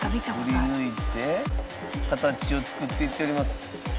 くりぬいて形を作っていっております。